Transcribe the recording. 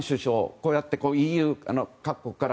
こうやってＥＵ各国から